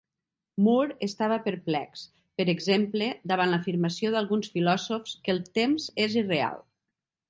Moore estava perplex, per exemple, davant l'afirmació d'alguns filòsofs que el temps és irreal.